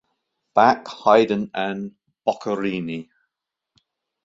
Bach, Haydn and Boccherini.